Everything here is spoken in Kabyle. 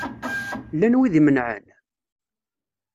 Llan wid imenεen?